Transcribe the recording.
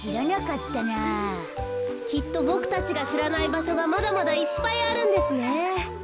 きっとボクたちがしらないばしょがまだまだいっぱいあるんですね。